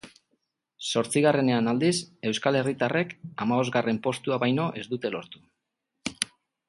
Zortzigarrenean, aldiz, euskal herritarrek hamabosgarren postua baino ez dute lortu.